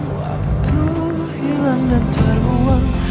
waktu hilang dan terbuang